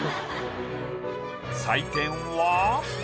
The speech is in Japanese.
採点は。